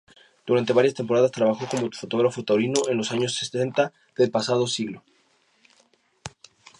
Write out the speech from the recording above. Durante varias temporadas trabajó como fotógrafo taurino en los años sesenta del pasado siglo.